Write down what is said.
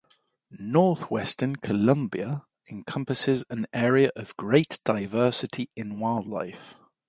Northwestern Colombia encompasses an area of great diversity in wildlife.